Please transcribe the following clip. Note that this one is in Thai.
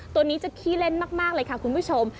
ตัวนี้จะขี้เล่นมากเลยค่ะคุณผู้ชม